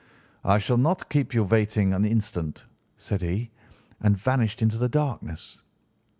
'I shall not keep you waiting an instant,' said he, and vanished into the darkness.